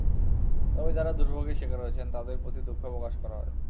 তবে যাঁরা দুর্ভোগের শিকার হয়েছেন তাদের প্রতি দুঃখ প্রকাশ করা হয়।